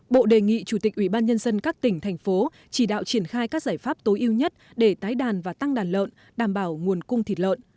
bộ đề nghị chủ tịch ubnd các tỉnh thành phố chỉ đạo triển khai các giải pháp tối ưu nhất để tái đàn và tăng đàn lợn đảm bảo nguồn cung thịt lợn